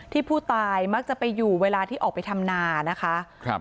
ผู้ตายมักจะไปอยู่เวลาที่ออกไปทำนานะคะครับ